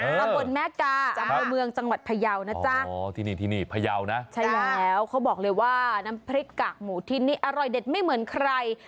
ตำบลแม่กาอำเภอเมืองจังหวัดพยาวนะจ๊ะอ๋อที่นี่ที่นี่พยาวนะใช่แล้วเขาบอกเลยว่าน้ำพริกกากหมูที่นี่อร่อยเด็ดไม่เหมือนใคร